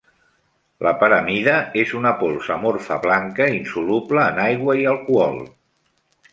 La paramida és una pols amorfa blanca, insoluble en aigua i alcohol.